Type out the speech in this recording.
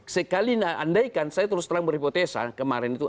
sekali andaikan saya terus terang berhipotesa kemarin itu